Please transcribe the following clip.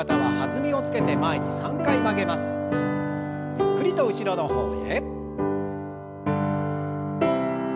ゆっくりと後ろの方へ。